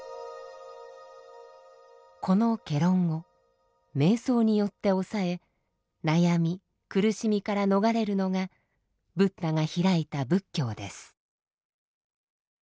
この戯論を瞑想によって抑え悩み苦しみから逃れるのがブッダが開いた仏教です。